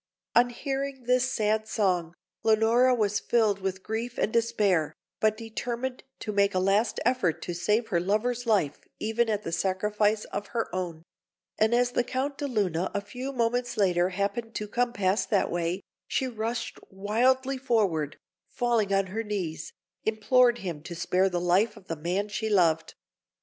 On hearing this sad song, Leonora was filled with grief and despair, but determined to make a last effort to save her lover's life even at the sacrifice of her own; and as the Count de Luna a few moments later happened to come past that way, she rushed wildly forward, and falling on her knees, implored him to spare the life of the man she loved.